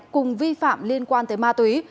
cùng vi phạm liên quan tới ma túy